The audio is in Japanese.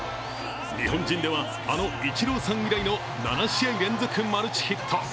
日本人では、あのイチローさん以来の７試合連続マルチヒット。